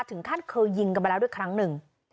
ถึงขั้นเคยยิงกันมาแล้วด้วยครั้งหนึ่ง